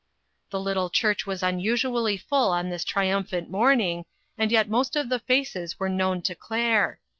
The little church was unusually full on this triumphant morning, and yet most of the faces were known to Claire.